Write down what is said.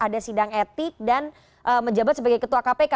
dan menjabat sebagai ketua kpk